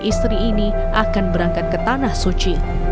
istri ini akan berangkat ke tanah suci